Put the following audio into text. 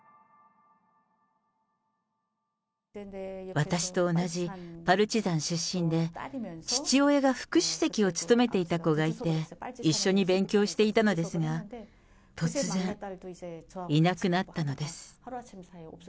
私と同じパルチザン出身で、父親が副主席を務めていた子がいて、一緒に勉強していたのですが、突然、いなくなったのです。